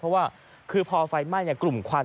เพราะว่าคือพอไฟมั่นอยากกลุ่มควัน